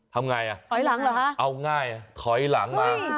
ทำไงเอาง่ายถอยหลังมา